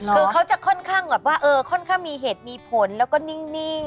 คือเขาจะค่อนข้างแบบว่าค่อนข้างมีเหตุมีผลแล้วก็นิ่ง